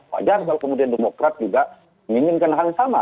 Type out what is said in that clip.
wajar kalau kemudian demokrat juga menginginkan hal yang sama